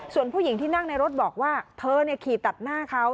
ส่วนผู้หญิงที่นั่งในรถบอกว่าเธอขี่ตัดหน้าเขา